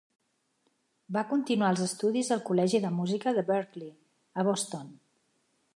Va continuar els estudis al Col·legi de Música de Berklee, a Boston.